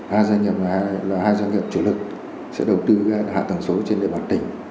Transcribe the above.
hai doanh nghiệp là hai doanh nghiệp chủ lực sẽ đầu tư hạ tầng số trên địa bàn tỉnh